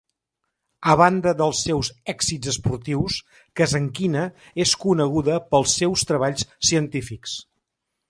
A banda dels seus èxits esportius, Kazankina és coneguda pels seus treballs científics.